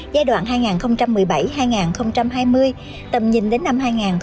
giai đoạn hai nghìn một mươi bảy hai nghìn hai mươi tầm nhìn đến năm hai nghìn hai mươi năm